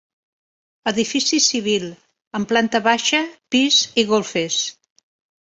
Edifici civil amb planta baixa, pis i golfes.